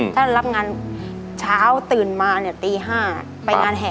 ถ้ารับงานเช้าตื่นมาเนี่ยตี๕ไปงานแห่